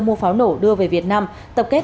mua pháo nổ đưa về việt nam tập kết